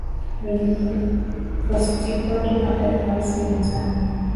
wenye postikodi namba elfu hamsini na tano